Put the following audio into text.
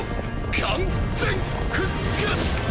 完全復活！